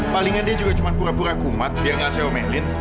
palingan dia juga cuma pura pura kumat biar gak saya omelin